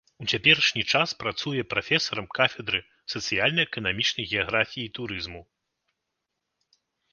У цяперашні час працуе прафесарам кафедры сацыяльна-эканамічнай геаграфіі і турызму.